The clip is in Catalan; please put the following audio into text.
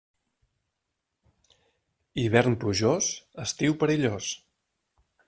Hivern plujós, estiu perillós.